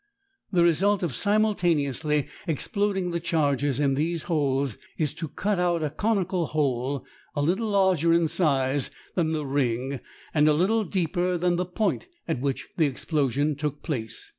The result of simultaneously exploding the charges in these holes is to cut out a conical hole a little larger in size than the ring and a little deeper than the point at which the explosion took place.